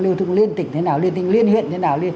lưu thông liên tỉnh thế nào liên tỉnh liên huyện thế nào